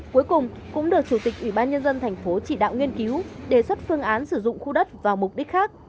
cuối cùng cũng được chủ tịch ủy ban nhân dân thành phố chỉ đạo nghiên cứu đề xuất phương án sử dụng khu đất vào mục đích khác